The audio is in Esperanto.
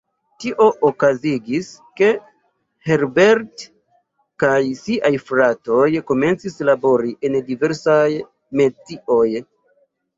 Tio okazigis, ke Herbert kaj siaj fratoj komencis labori en diversaj metioj.